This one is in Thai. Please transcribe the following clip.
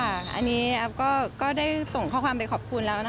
อันนี้แอฟก็ได้ส่งข้อความไปขอบคุณแล้วนะคะ